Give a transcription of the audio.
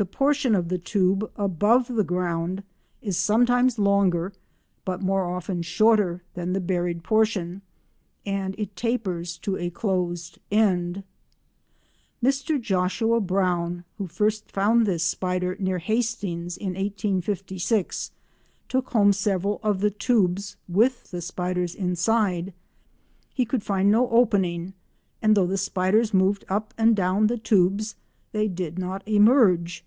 The portion of the tube above the ground is sometimes longer but more often shorter than the buried portion, and it tapers to a closed end. Mr Joshua Brown, who first found this spider near Hastings in 1856, took home several of the tubes with the spiders inside. He could find no opening, and though the spiders moved up and down the tubes they did not emerge.